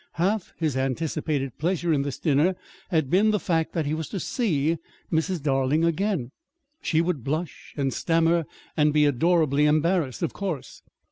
Half his anticipated pleasure in this dinner had been the fact that he was to see Mrs. Darling again. She would blush and stammer, and be adorably embarrassed, of course.